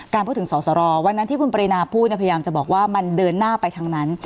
พูดถึงสอสรวันนั้นที่คุณปรินาพูดพยายามจะบอกว่ามันเดินหน้าไปทางนั้น